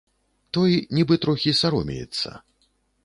Той нібы трохі саромеецца.